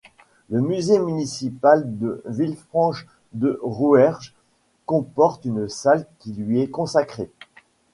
Le musée municipal de Villefranche-de-Rouerge comporte une salle qui lui est consacrée.